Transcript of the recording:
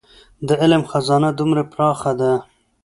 د علم خزانه دومره پراخه ده.